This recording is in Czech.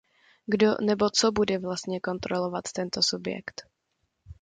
Kdo nebo co bude vlastně kontrolovat tento subjekt?